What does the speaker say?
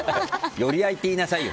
寄合って言いなさいよ。